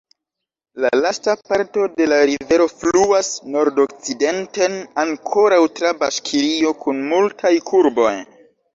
La lasta parto de la rivero fluas nordokcidenten, ankoraŭ tra Baŝkirio, kun multaj kurboj.